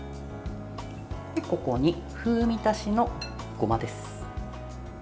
ここに風味足しのごまです。